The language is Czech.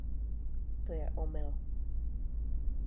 To je omyl.